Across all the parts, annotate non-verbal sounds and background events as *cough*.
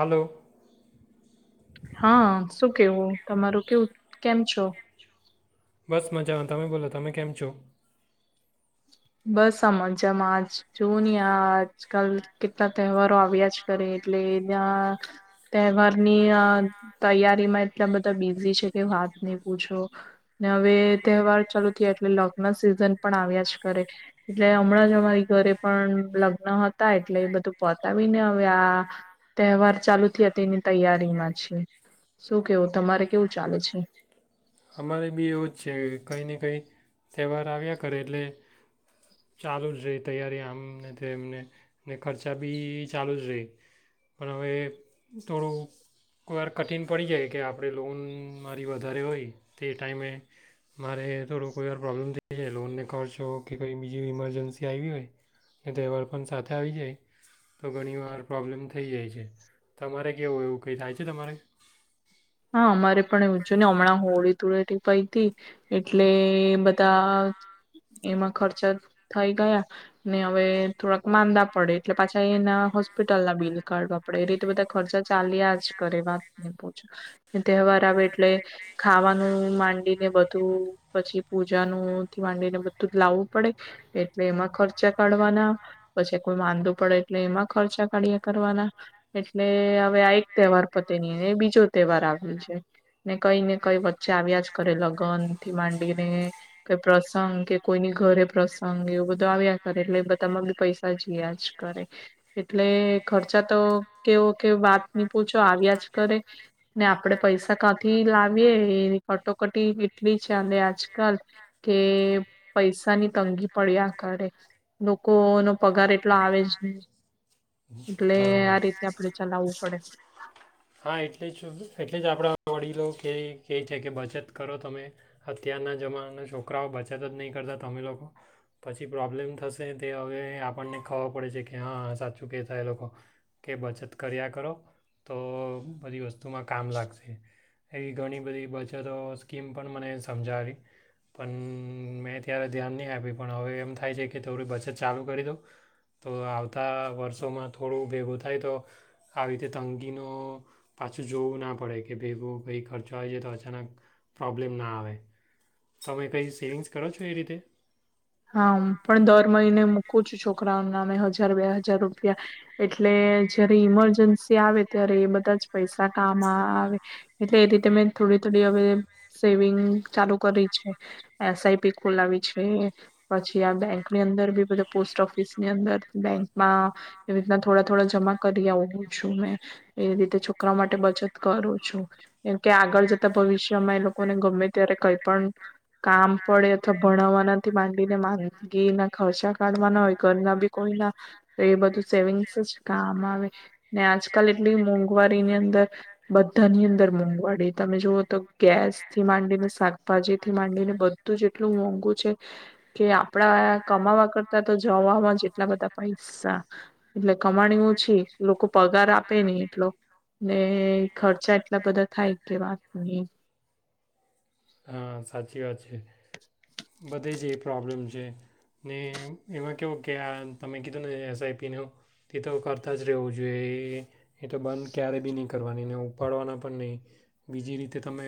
હાલો. હા, શું કેવું તમારું, કેવું કેમ છો? બસ મજામાં, તમે બોલો? તમે કેમ છો? બસ આ મજામાં જ જુવાની આજકાલ કેટલા તહેવારો આવ્યા જ કરે એટલે એ તહેવારની તૈયારીમાં એટલા બધા બિઝી છે કે વાત ની પૂછો, ને હવે તહેવાર ચાલુ થયા, એટલે લગ્ન સિઝન પણ આવ્યા કરે એટલે હમણાં જ અમારી ઘરે પણ લગ્ન હતા, એટલે એ બધું પતાવીને હવે આ તહેવાર ચાલુ થયા તેની તૈયારીમાં છે. શું કેવું તમારે કેવું ચાલે છે? અમારે બી એવું જ છે કંઈ ને કંઈ તહેવાર આવ્યા કરે એટલે ચાલુજ રે તૈયારી આમને તે એમને ને ખર્ચા બી ચાલુજ રે, પણ હવે થોડું કોઈ વાર કઠિન પડી જાય કે આપડે લોન મારી વધારે હોય, તે ટાઈમે મારે થોડું કોઈ વાર પ્રોબ્લેમ થઈ જાય લોનને ખર્ચ જો કે કોંઈ બીજી ઇમરજન્સી આઈવી હોય, ને તેહવાર પણ સાથે આવી જાય તો ઘણીવાર પ્રોબ્લેમ થઈ જાય છે. તમારે કેવું, એવું કંઈ થાય છે, તમારે? હા, અમારે પણ એવું જો ને હમણાં હોળી તુળેટી પઈતી એટલે બધા એમાં ખર્ચા થઈ ગયા ને હવે થોડાક માંદા પડે એટલે પાછા એના હોસ્પિટલના બિલ કાઢવા પડે, એ રીતે બધા ખર્ચા ચાલ્યાજ કરે, એ વાતની પૂછો ને તહેવાર આવે એ એટલે ખાવાનું માંડીને બધું પછી પૂજ જાનુંથી માંડીને બધું જ લાવવું પડે એટલે એમાં ખર્ચા કાઢવાના, પછી કોઈ માંદો પડે એટલે એમાં ખર્ચા કાઢ્યા કરવાના એટલે હવે આ એક તહેવાર પતે ની ને બીજો તહેવાર આવે ને કઈ ને કઈ વચ્ચે આવ્યા જ કરે, લગ્ન થી માંડીને, કઈ પ્રસંગ કે કોઈની ઘરે પ્રસંગ એવું બધો આવ્યા કરે એટલે બધામાં બી પૈસા જયા જ કરે એટલે ને ખર્ચા તો, કેવો કે વાત પૂછો આવ્યા જ કરે ને આપડણે પૈસા કાંથી લાવીએે એની કટોકટી એટલી છેને આજકાલ કે પૈસાની તંગી પડીેયા કરે, લોકો નો પગાર એટલો આવે જ ની એટલે હા આ રીતે આપડે ચલાવવું પડે હા, એટલે જ, એટલે જ આપણે મળી લો કે કહે છે કે બચત કરો તમે અત્યારના જમાનાના છોકરાઓ બચત જ નહીં કરતા તમે લોકો, પછી પ્રોબ્લેમ થશે તે હવે આપણને ખબર છે કે હા સાચું ક થાય એ લોકો કે બચત કર્યા કરો તો તો બધી વસ્તુ, ત કામ લાગશે એવી ઘણી બધી બચતો સ્કીમ પણ મને સમજાવી, પણ મેં ત્યારે ધ્યાન ની આપ્યુ પણ હવે એમ થાય છે કે થોડી બચત ચાલુ કરી દઉં, તો આવતા વર્ષોમાં થોડું ભેગું થાય તો આવી રીતે ત નો પાછું જોવું ના પડે કે ભેગું કઈ ખર્ચો આવે જાય તો અચાનક પ્રોબ્લેમ ના આવે, તો તમે કઈ સેવિંગ્સ કરેલછે એ રીતે હા, પણ દર મહિને મૂકું છું છોક છોકરાઉન નામે હજાર બે હજાર રૂપિયા એટલે જયારે ઈમરજન્સી આવે ત્યારે એ બધા જ પૈસા કામ આવે એટલે એ રીતે મેં થોડી થોડી હવે સેવિંગ ચાલુ કરી છે એસઆઈપી ખોલાવી છે પછી આ બેંકની અંદર બી બધા પોસ્ટ ઓફિસની અંદર બેંકમાં એવી રીતના થોડા થોડા જમા કરી આવું છું એ રીતે છોકરાઓ માટે બચત કરું છું, કેમ કે આગળ જતા ભવિષ્યમાં એ લોકોને ગમે ત્યારે કઈ પણ કામ પડે અથવા ભણાવવાના થી ભણાવવાથી માડી માંદગી ના ખર્ચા કાઢવાના હોય ઘરના બી કોઈના તો એ બધું સેવિંગ્સ જ કામ આવે ને આજકાલ એટલી મોંઘવારીની અંદર બધાની અંદર મોંઘવારી તમે જુઓ તો ગેસ થી માંડીને, શાકભાજી થી માંડીને બધું જ એટલું મોંઘું છે આપડા કમાવા કરતા તો જવામાં જેટલા બધા પ સા એટલે કમાણી ઓછી, લોકો પગાર આપે ની એટલો, ને ખર્ચા એટલા બધા થાય કે વાતની. હા સાચી વાત છે. બધે જ એ પ્રોબ્લેમ જે, ને એમાં કવુ કે આ તમે કીધું ને એસ આઈ પી ને એવુ તે તો કરતા જ રહેવું જોઈએ, એ તો બંધ ક્યારેય બી નહીં કરવાની ઉપાડવાના પણ નહીં, બીજી રીતે તમે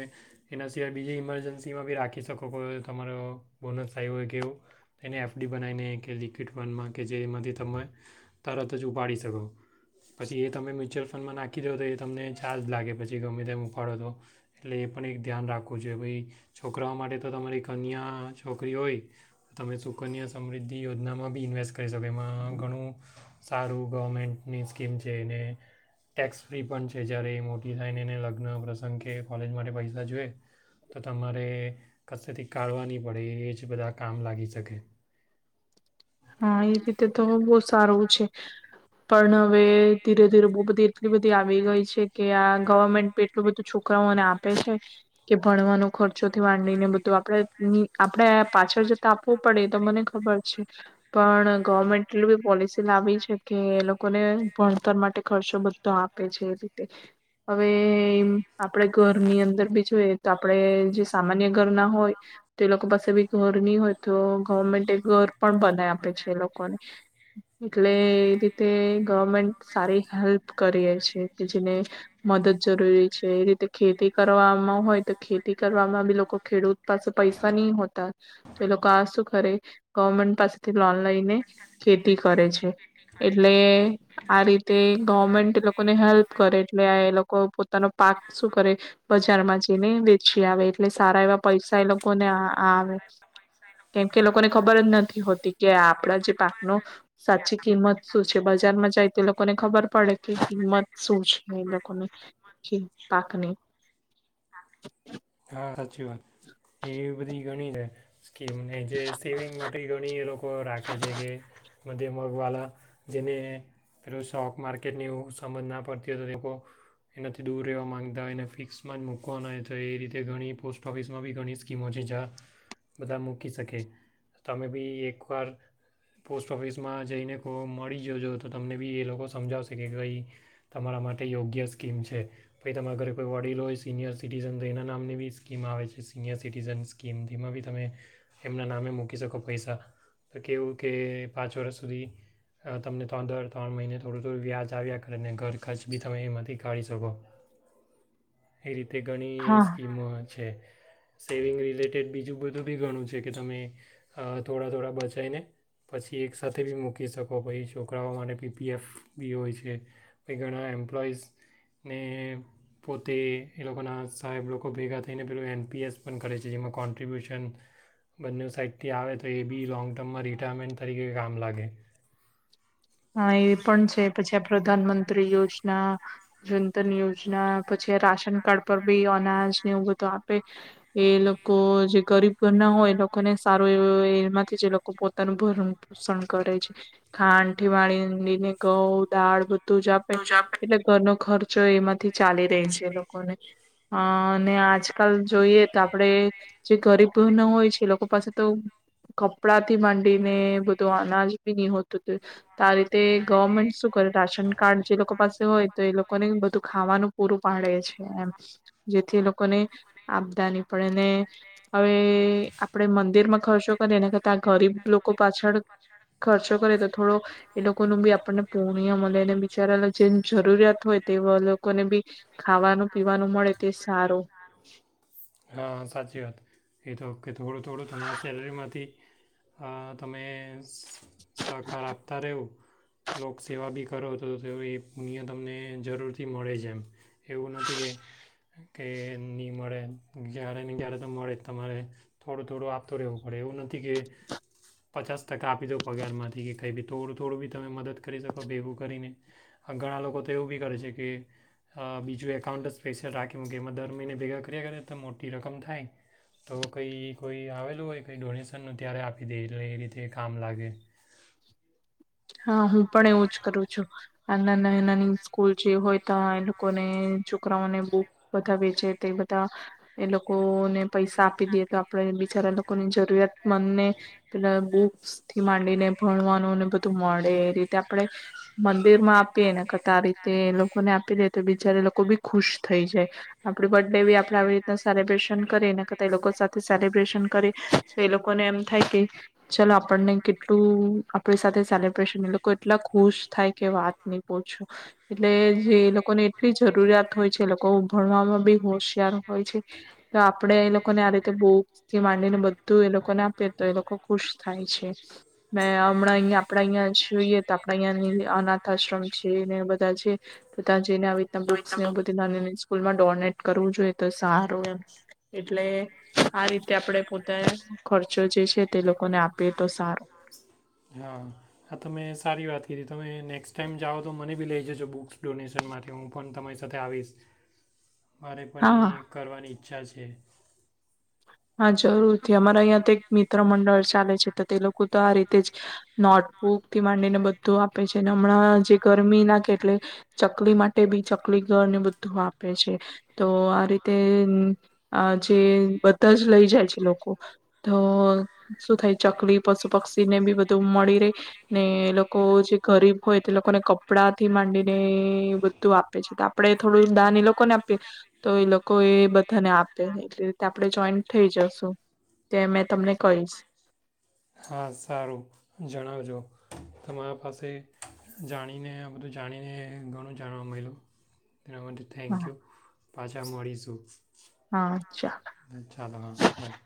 એના સિવાય બીજી ઇમરજન્સીમાં બી રાખી શકો પણ તમારો બોનસ થાય હોય કે એવું એને એફ ડી બનાઇને કે લિક્વિડ ફંડમાં કે જેમાંથી તમે તરત જ ઉપાડી શકો પછી એ તમે મ્યુચ્યુઅલ ફંડમાં નાખી દો તો એ તમને ચાર્જ લાગે પછી ગમે તેમ ઉપાડો તો એટલે એ પણ એક ધ્યાન રાખ વુ જોઈએ ભઈ છોકરાઓ માટે તો તમારી કન્યા છોકરી હોય તમે સુકન્યા સમૃદ્ધિ યોજનામાં બી ઇન્વેસ્ટ કરી શકો એમા ઘણું સારું ગવર્મેન્ટની સ્કીમ છે, એને ટેક્સ ફ્રી પણ છે જ્યારે મોટી થાયને એને લગ્ન પ્રસંગ કે કોલેજ માટે પૈસા જોએ તો તમારે કસેથી કાઢવા નહી પડે એ જ બધા કામ લાગી શકે. હા એ રીતે તો બહુ સારું છે, પણ હવે ધીરે ધીરે બહ બધી એટલી બધી આવી ગઈ છે કે આ ગવર્મેન્ટ એટલું બધું છોકાઓને આપે છે કે ભણવાનો ખર્ચો થી વાંડીને બધું આપણે ની આપણે પાછળ જતા આપવું પડે તો મને ખબર છે. પણ ગવર્મેન્ટ એટલું બી પોલિસી લાવી છે કે એ લોકોને ભણતર માટે ખર્ચો બધો આપે છે. તે હવે, આપડે ઘરની અંદર બી જોઈએ તો આપડે જે સામાન્ય ઘર ના હોય તે એલોકો પાસે બી ઘર નિ હોય તો ગવર્મેન્ટ એ ઘર પણ બ નાવે છે લોકોને, એટલે એ રીતે ગવર્મેન્ટ સારી હેલ્પ કરીએ છે કે જેને મદદ જરૂરી છે એ રીતે ખેતી કરવામાં હોય તો ખેતી કરવામાં બી લોકો ખેડૂત પાસે પૈસા નિ હો તા તો એ લોકો આ શું કરે, ગવર્મેન્ટ પાસે થી *unintelligible* લઈને ખેતી કરે છે, એટલે આ રીતે ગર્મેન્ટ એ લોકોને હેલ્પ કરે એટલે લો કો પોતાનો પાક શું કરે બજારમાં જઈને વેચી આવે એટલે સારા એવા પૈસા એ લોકોને આ વે, કેમ કે લોકોને ખબર જ ન થી હોતી કે આપડા જે પાક નો સાચી કિમત શું છે, બજારમાં જાય તો એ લોકોને ખબર પડે કે કિંમત શું છે એ લોકોને કે પાકની. હા હા. સાચી વાત, એ બધી ગણીને સ્કીમને જે સેવિંગ માટે ઘણી એ લોકો રાખે છે કે મધ્ય મગવાલા જેને પેલો સ્ટોક માર્કેટને એવું સમજ ના પડતી હોય તો લોકો એનાથી દૂર રહેવા માગતા હોયને ફિક્સમાં જ મૂકવાનો હોય તો એ રીતે તે ઘણી પોસ્ટ ઓફિસમાં બી ઘણી સ્કીમો છે જા બધા મૂકી શકે તમે બી એકવાર પોસ્ટ ઓફિસમાં જઈને કો મળી જોજો, તો તમને બી એ લોકો સમજાવશેકે કે કઈ તમારા માટે યોગ્ય સ્કીમ છે, પછી તમારા ઘરે કોઈ વડીલો હોય સિનિયર સિટીઝન તો એના નામની બી સ્કીમ આવે છે સિનિયર સિટીઝન સ્કીમ, જેમાં બી તમે એમના નામે મૂકી શકો પૈસા તો કેવું કે પાંચ વરશ સુધી તમને ત્રણ ત્રણ મહિને થોડું થોડું વ્યાજ આવ્યા કરેને ઘર ખર્ચ બી તમે એમાંથી કાઢી શકો, એ રીતે ઘણી હા સ્ કીમો હોય છે, સેવિંગ રિલેટેડ બીજું બધું બી ઘણું છે કે તમે થોડા થોડા બચાયને પછી એક સાથે બી મૂકી શકો, પહી છોકરાઓ માટે પી પી એફ બી હોય છે ભાઈ ઘણા એમ્પ્લોઈઝને પોતે એ લોકોના સાહેબ લોકો ખૂબ ભેગા થઈને પેલું એન પી એસ પણ કરે છે, જેમાં કોન્ટ્રિબ્યુશન બંનેઉ સાઈડથી આવે તો એ બી લોંગ ટર્મમાં રિટાયરમેન્ટ તરીકે કામ લાગે. હા એ પણ છે પછી આ પ્રધાન મંત્રી યોજના, જન ધન યોજના, પછી રાશન કાર્ડ પર બી અનાજ ને એવું બધું આપે એ લોકો જે ગરીબ ઘર ના હોય એ લોકોને સારું એઉ એમાંથી જે લોકો પોતાનું ભરણ પોષણ કરે છે. ખાંડ થી વાણીને ઘઉ, દાળ તું જ આપે એટલે ઘરનો ખર્ચ જો એમાંથી ચાલી રહી છે લોકોને અને આજકાલ જોઈએ તો આપણેે જે ગરીબ ના હોય છે એ લોકો પાસે તો કપડાથી માંડીને બધું અનાજ બી નહી હોતું તુ તો આ રીતે ગવર્મેન્ટ શું કરે રાશન કાર્ડ જે લોકો પાસે હોય તો એ લોકોને બધું ખાવાનું પૂરું પાડે છે એમ જેથી એ લોકોને આપદા નહિ પડે ને હવે આપણેે મંદિર માં ખર્ચો કરીએ એના કરતા ગરીબ લોકો પાછળ ખર્ચો કરે તો થોડો એ લોકોનું બી આપણને પૂર્ણય મળે અને બિચારા જેમ જરૂરિયાત હોય તે લોકોને બી ખાવાનું પીવાનું મળે તે સારું હા સાચી વાત એ તોક્ કે થોડું થોડું તમારા સેલરીમાંથી તમે સરકાર આપ લોક સેવા બી કરો તો એ પુણિયા તમને જરૂરથી મળે છે એમ એવું નથી કે કે નહીં મળે જ્યારે ને જ્યારે તો મળે તમારે થોડું થોડું આપતો રહેવો પડે એવું નથી કે પચાસ ત કાપી તો પગાર માંથી કે કઈ ભી થોડું થોડું બી તમે મદદ કરી શકો ભેગું કરીને ઘણાં લોકો તો એવું બી કરે છે કે બીજું એકાઉન્ટ જ સ્પેશિયલ રાખી મ કે એમાં દર મહિને ભેગા કર્યા કર્યા તો મોટી રકમ થાય તો કંઈ કોઈ આવેલું હોય કંઈ ડોનેશનનું ત્યારે આપી દે એટલે એ રીતે કામ લાગે. હા હું પણ એવું જ કરું છું આ ના ના નાની સ્કૂલ જે હોય તો એ લોકોને છોકરાઓને બુક બધા વેચે તે બધા એ લોકોને પૈસા આપી દેએ તો આપણે બિચારા લોકોની જરૂરિયાત મનેને પેલા બહુ થી માંડીને ભણવાનું ને બધ મળે એ રીતે આપણે ર માં આપીએ ને કરતા આ રીતે એ લોકોને આપી દે તો બિચાર એ લોકો બી ખુશ થઈ જાય આપડે બર્થ ડે બી આપણે આવી રીતના સેલિબ્રેશન કરીને કરતા એ લોકો સાથે સેલબ્રેશન કરી તો એ લોકોને એમ થાય કે ચલો આપણને કેટલું આપણી સાથે- *inaudible* લોકો એટલા ખુશ થાય કેવા પહછો એટલે જે એ લોકોને એટલી જરૂરિયાત હોય છે એ લોકો ઉભણવામાં બી હોશિયાર હોય છે તો આપણેે એ લોકોને આ રીતે બોક થી માંડીને બધું એ લોકોને આપીએ તો એ લોકો ખુશ થાય છે મે હમણાં અહીંયા જોઈએ તો આપણેે અહં અનાથ આશ્ર છે ને બધા છે તો ત્યાં જઈને આવી રીતના બુક્સ ને એ બધી નાની સ્કૂલમાં ડોનેટ કરવું જોઈએ તો સારું એમ એટલે આ રીતે આપણે પોતા ખર્ચો જે છે તે લોકોને આપીએ તો સારો હા હા તમે સારી વાત કરીધી તમે નેક્સ્ટ ટાઈમ જાઓ તો મને બી લઈ જજો બુક્સ ડોનેશન માટે હું પણ તમારી સાથે આવીશ મારે પણ હા. એ કરવાની અચ્છા છે. હા જરૂરથી અમારા અહં તો એક મિત્ર મ મંડળ ચાલે છે તો તે લોકો અ આ રીતેજ નોટબુક થી માંડીને બધું આપે છે હમણાં જે ગરમી ના કે એટલે ચકલી માટે બી ચકલી ગળ ને બધું આપે છે તો આ રીતે જે બ બધ જ લઈ જાય છે લોકો તો શું થાય ચકલી પશુ પક્ષી ને બી બધું મળી રહે ને લોકો જે ગરીબ હોય તે લોકોને ક કપડા થી માંડીને બધું આપે છે તો આપડે થોડું દાન એ લોકોને આપીએ તો એ લોકો એ બધાને આપે એટલે રીતે જોઈન્ટ થઇ જશું તે મે તમને કહીશ હા સારું જણાવજો તમારા પાસે જાણી ણીને આ બધું જાણીને ઘણું જાણવા મળલ્યું તેના માટે થેન્ક હા યુ. પાછા મળીશું જ. હા ચાલ ચાલો હા બાય.